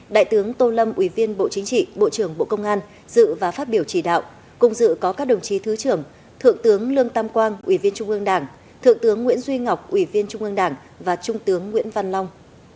đại tướng tô lâm ủy viên bộ chính trị bộ trưởng bộ công an dự và phát biểu chỉ đạo cùng dự có các đồng chí thứ trưởng thượng tướng lương tam quang ủy viên trung ương đảng thượng tướng nguyễn duy ngọc ủy viên trung ương đảng và trung tướng nguyễn văn long